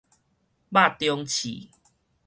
肉中刺